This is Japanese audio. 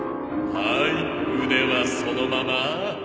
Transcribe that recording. はい腕はそのまま。